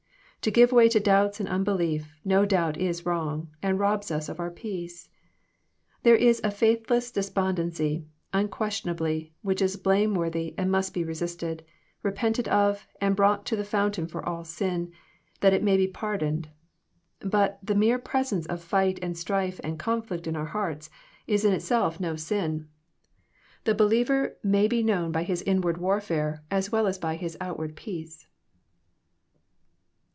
To give way to doubts and unbelief, no doubt is wrong, and robs us of our peace. There is a faithless despondency, unques tionably, which is blameworthy, and must be resisted, repented of, and brought to the fountain for all sin, that it may be pardoned. But the mere presence of fight and strife and conflict in our hearts is in itself no sin. The 344 EXPOsrroEY thoughts. believer may be known by his inward warfare as well as by his inward peace.